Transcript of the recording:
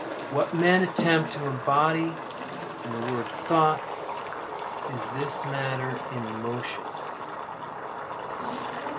What men attempt to embody in the word "thought," is this matter in motion.